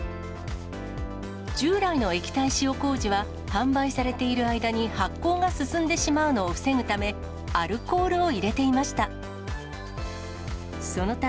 従来の液体塩こうじは、販売されている間に発酵が進んでしまうのを防ぐため、アルコールを入れていました。